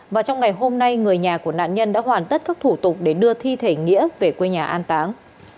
và trong ngày hôm nay người nhà của nạn nhân đã hoàn tất các thủ tục để đưa thi thể nghĩa về quê nhà an táng